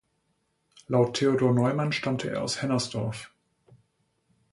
Laut Theodor Neumann stammte er aus Hennersdorf.